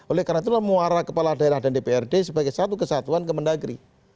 oleh karena itulah mengarah kepala daerah dan dprd sebagai satu kesatuan ke mendagri